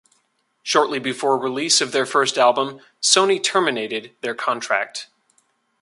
Shortly before release of their first album, Sony terminated their contract.